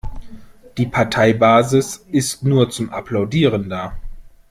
Die Parteibasis ist nur zum Applaudieren da.